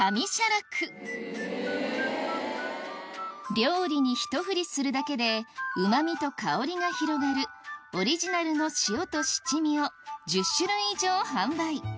料理にひと振りするだけでうま味と香りが広がるオリジナルの塩と七味を１０種類以上販売